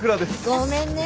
ごめんね。